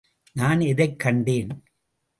நான் எதைக் கண்டேன்?